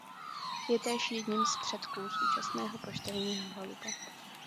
Je též jedním z předků současného poštovního holuba.